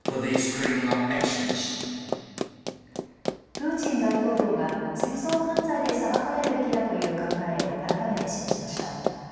プーチン大統領が戦争犯罪で裁かれるべきだという考えを改めて示しました。